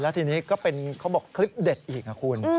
ทีนี้ก็เป็นเขาบอกคลิปเด็ดอีกนะคุณ